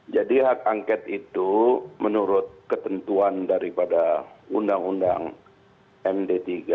jadi hak angket itu menurut ketentuan daripada undang undang md tiga